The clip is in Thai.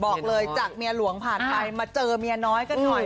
บอกเลยจากเมียหลวงผ่านไปมาเจอเมียน้อยกันหน่อย